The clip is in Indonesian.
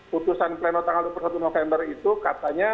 putusan pleno tanggal dua puluh satu november itu katanya